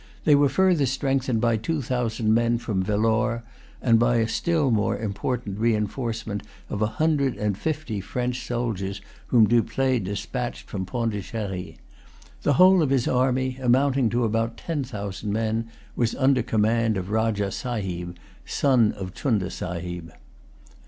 They were further strengthened by two thousand men from Vellore, and by a still more important reinforcement of a hundred and fifty French soldiers whom Dupleix despatched from Pondicherry. The whole of his army, amounting to about ten thousand men, was under the command of Rajah Sahib, son of Chunda Sahib.